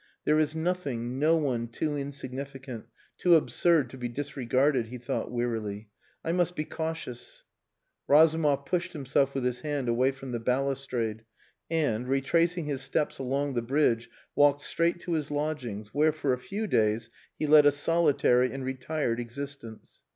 "There is nothing, no one, too insignificant, too absurd to be disregarded," he thought wearily. "I must be cautious." Razumov pushed himself with his hand away from the balustrade and, retracing his steps along the bridge, walked straight to his lodgings, where, for a few days, he led a solitary and retired existence.